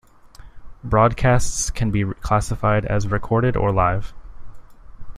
Broadcasts can be classified as "recorded" or "live".